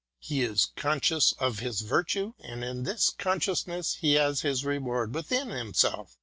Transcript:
He is conscious of his virtue, and in this consciousness he has his reward within himself.